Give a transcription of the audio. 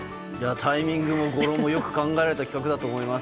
タイミングも語呂もよく考えられた企画だと思います。